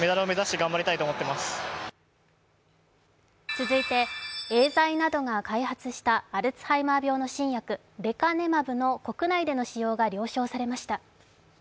続いてエーザイなどが開発したアルツハイマー病の新薬、レカネマブの国内での使用が了承されました。